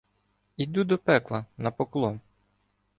Іду до пекла на поклон: